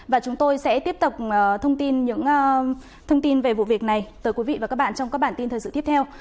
và chúng tôi sẽ tiếp tục thông tin những thông tin về vụ việc này tới quý vị và các bạn trong các bản tin thời sự tiếp theo